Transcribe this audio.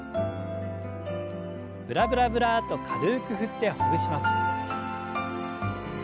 ブラブラブラッと軽く振ってほぐします。